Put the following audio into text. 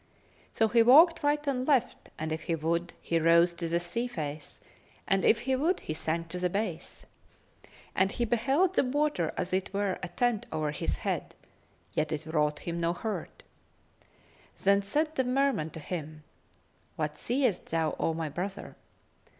So he walked right and left, and if he would, he rose to the sea face, and if he would, he sank to the base. And he beheld the water as it were a tent over his head; yet it wrought him no hurt. Then said the Merman to him, "What seest thou, O my brother?"